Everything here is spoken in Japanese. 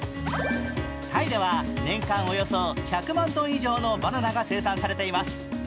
タイでは年間およそ１００万トン以上のバナナが生産されています。